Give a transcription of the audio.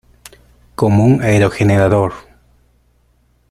Como un aerogenerador.